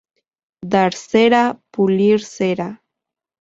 Dar cera, pulir cera